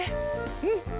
うん。